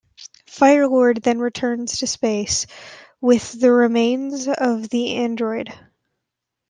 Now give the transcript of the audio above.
Firelord then returns to space with the remains of the android.